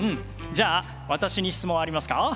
じゃあ私に質問ありますか？